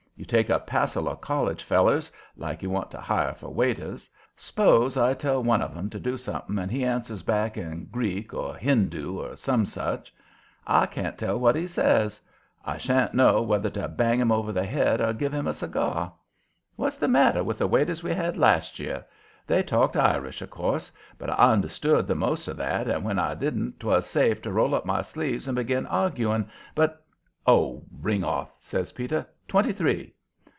You take a passel of college fellers, like you want to hire for waiters. S'pose I tell one of 'em to do something, and he answers back in Greek or Hindoo, or such. I can't tell what he says. I sha'n't know whether to bang him over the head or give him a cigar. What's the matter with the waiters we had last year? They talked Irish, of course, but I understood the most of that, and when I didn't 'twas safe to roll up my sleeves and begin arguing. But " "Oh, ring off!" says Peter. "Twenty three!"